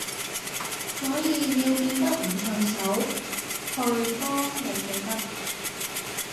所以要變得唔順手去幫你記得